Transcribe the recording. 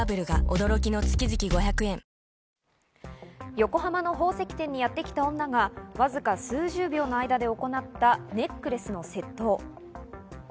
横浜の宝石店にやってきた女がわずか数十秒の間で行ったネックレスの窃盗。